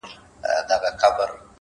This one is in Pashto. ژوند چي د سندرو سکه ورو دی لمبې کوې _